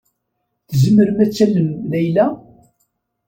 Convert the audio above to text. Tzemrem ad tallem Layla?